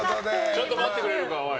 ちょっと待ってくれるか、おい。